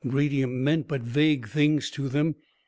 Radium meant but vague things to them.